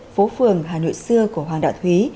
phố phường hà nội xưa của hoàng đạo thúy